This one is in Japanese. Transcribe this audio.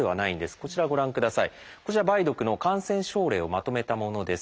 こちら梅毒の感染症例をまとめたものです。